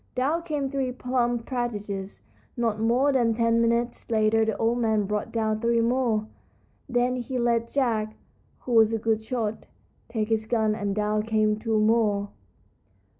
Down came three plump partridges. Not more than ten minutes later the old man brought down three more. Then he let Jack, who was a good shot, take his gun, and down came two more.